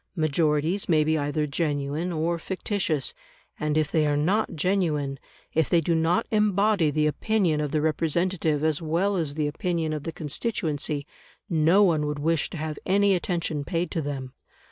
Majorities may be either genuine or fictitious, and if they are not genuine, if they do not embody the opinion of the representative as well as the opinion of the constituency, no one would wish to have any attention paid to them.